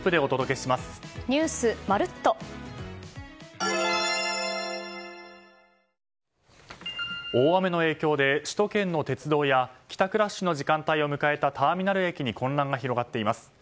最高の渇きにＤＲＹ大雨の影響で首都圏の鉄道や帰宅ラッシュの時間帯を迎えたターミナル駅に混乱が広がっています。